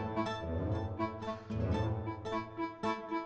emang bilang emaknya udah kebanyakan emaknya udah kebanyakan